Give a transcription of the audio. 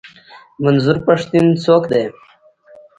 منظور پښتين څوک دی؟